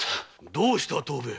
どうした藤兵衛？